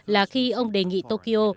là khi ông đề nghị tokyo